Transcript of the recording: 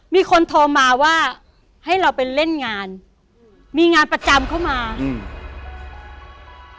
มีคนโทรมาว่าให้เราไปเล่นงานมีงานประจำเข้ามาอืม